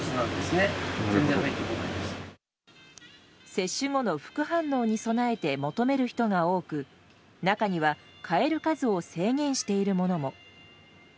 接種後の副反応に備えて求める人が多く中には、買える数を制限しているものも。